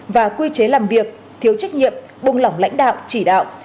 và quy chế làm việc thiếu trách nhiệm buông lỏng lãnh đạo chỉ đạo